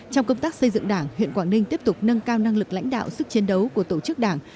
trong công tác xây dựng đảng huyện quảng ninh tiếp tục nâng cao năng lực lãnh đạo sức chiến đấu của tổ chức đảng